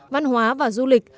văn hóa và du lịch